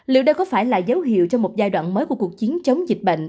liệu đây có phải là dấu hiệu cho một giai đoạn mới của cuộc chiến chống dịch bệnh